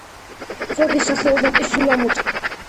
ზოგი სახეობა კი სულ ამოწყდა.